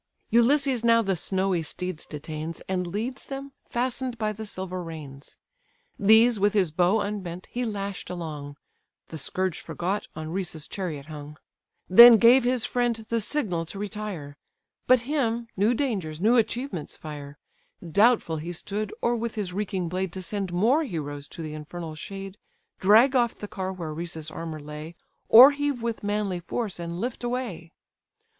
Ulysses now the snowy steeds detains, And leads them, fasten'd by the silver reins; These, with his bow unbent, he lash'd along; (The scourge forgot, on Rhesus' chariot hung;) Then gave his friend the signal to retire; But him, new dangers, new achievements fire; Doubtful he stood, or with his reeking blade To send more heroes to the infernal shade, Drag off the car where Rhesus' armour lay, Or heave with manly force, and lift away.